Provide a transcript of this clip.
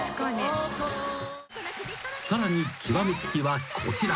［さらに極め付きはこちら］